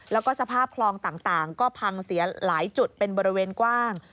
แล้วก็สภาพคลองต่างก็พังเสียหลายจุดเป็นบริเวณกว้าง